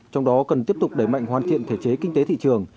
trong đó cần tiếp tục đẩy mạnh hoàn thiện thể chế kinh tế thị trường